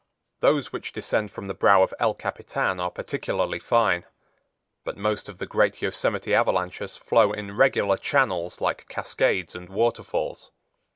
Those which descend from the brow of El Capitan are particularly fine; but most of the great Yosemite avalanches flow in regular channels like cascades and waterfalls.